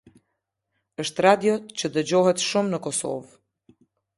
Eshtë radio që dëgjohet shumë në Kosovë.